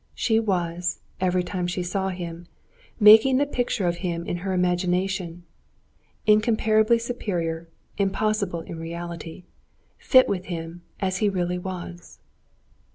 She was, every time she saw him, making the picture of him in her imagination (incomparably superior, impossible in reality) fit with him as he really was.